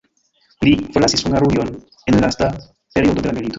Li forlasis Hungarujon en la lasta periodo de la milito.